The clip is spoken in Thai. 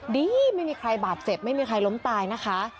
ดีไม่มีใครบาดเจ็บไม่มีใครล้มตายนะคะ